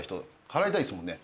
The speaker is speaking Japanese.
払いたいですもんね。